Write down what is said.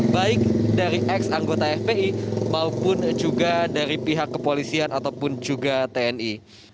baik dari ex anggota fpi maupun juga dari pihak kepolisian ataupun juga tni